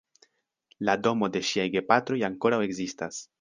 La domo de ŝiaj gepatroj ankoraŭ ekzistas.